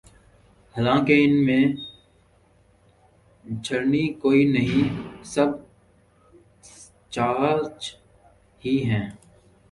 حالانکہ ان میں چھلنی کوئی نہیں، سب چھاج ہی ہیں۔